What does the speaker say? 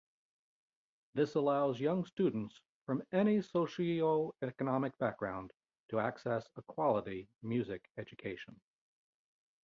This allows young students from any socio-economic background to access a quality music education.